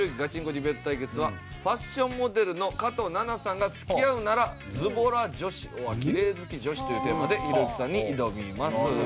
ディベート対決はファッションモデルの加藤ナナさんが「付き合うならズボラ女子ｏｒきれい好き女子」というテーマでひろゆきさんに挑みます。